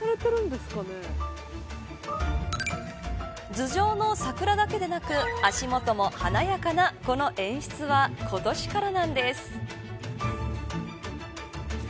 頭上の桜だけでなく足元も華やかなこの演出は今年からなんです。